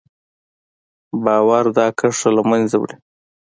باور دا کرښه له منځه وړي.